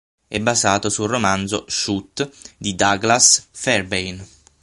È basato sul romanzo "Shoot" di Douglas Fairbairn.